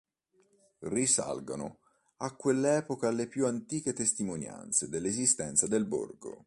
Risalgono a quell'epoca le più antiche testimonianze dell'esistenza del borgo.